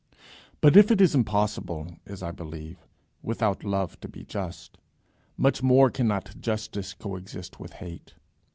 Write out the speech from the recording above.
But if it is impossible, as I believe, without love to be just, much more cannot justice co exist with hate.